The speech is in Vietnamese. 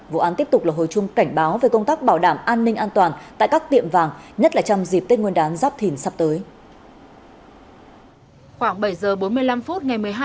vụ án tiếp tục là hồi chung cảnh báo về công tác bảo đảm an ninh an toàn tại các tiệm vàng nhất là trong dịp tết nguyên đán giáp thìn sắp tới